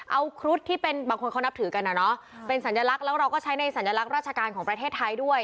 เอาครุฑที่เป็นบางคนเขานับถือกันอ่ะเนอะเป็นสัญลักษณ์แล้วเราก็ใช้ในสัญลักษณ์ราชการของประเทศไทยด้วย